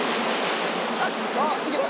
「あっいけた？